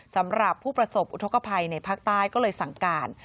สำหรับผู้ประสบอุทธกภัยในภาคใต้ก็เลยสั่งการ